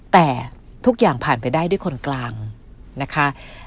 แต่ทุกอย่างผ่านไปได้ด้วยคนกลางนะคะ